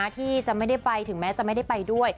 ที่จะไม่ได้ไปถึงแม้จะไม่ได้ไปด้วย